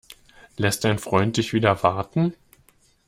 Lässt dein Freund dich wieder warten?